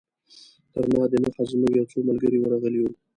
تر ما دمخه زموږ یو څو ملګري ورغلي وو.